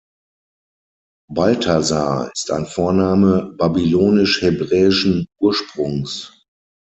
Balthasar ist ein Vorname babylonisch-hebräischen Ursprungs.